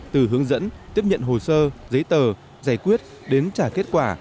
từ hướng dẫn tiếp nhận hồ sơ giấy tờ giải quyết đến trả kết quả